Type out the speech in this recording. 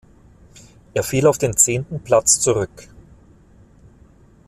Er fiel auf den zehnten Platz zurück.